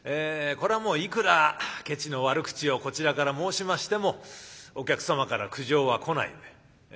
これはもういくらケチの悪口をこちらから申しましてもお客様から苦情は来ないので。